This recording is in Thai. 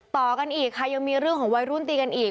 ต่อกันอีกค่ะยังมีเรื่องของวัยรุ่นตีกันอีก